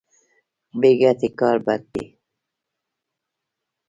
بې ګټې کار بد دی.